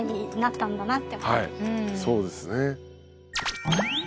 はいそうですね。